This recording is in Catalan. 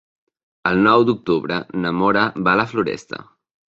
El nou d'octubre na Nora va a la Floresta.